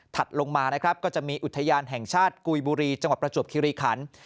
ลงมานะครับก็จะมีอุทยานแห่งชาติกุยบุรีจังหวัดประจวบคิริขัน